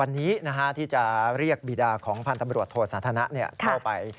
วันนี้ที่จะเรียกบีดาของพันธบริวัติโทสันธนาคเข้าไป